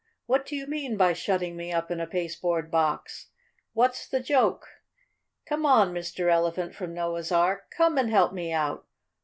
what do you mean by shutting me up in a pasteboard box? What's the joke? Come on, Mr. Elephant from Noah's Ark! Come and help me out!